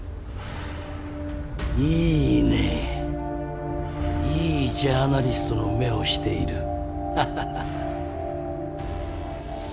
いいねいいジャーナリストの目をしている。